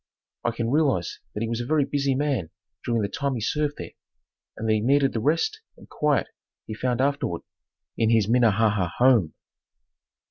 I can realize that he was a very busy man during the time he served there and that he needed the rest and quiet he found afterward in his Minnehaha home.